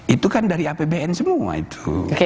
itu kan dari apbn semua itu